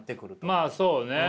まあそうね。